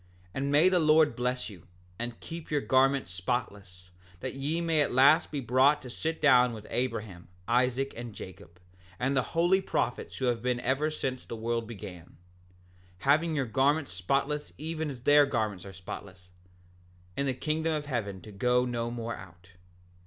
7:25 And may the Lord bless you, and keep your garments spotless, that ye may at last be brought to sit down with Abraham, Isaac, and Jacob, and the holy prophets who have been ever since the world began, having your garments spotless even as their garments are spotless, in the kingdom of heaven to go no more out.